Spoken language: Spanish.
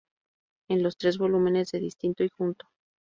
En los tres volúmenes de "Distinto y junto.